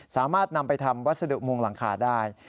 สามารถนำไปทำวัสดุมงหลังคาได้